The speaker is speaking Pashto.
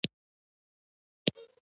انګلیسي د زدهکوونکو ذهن ته پراخوالی ورکوي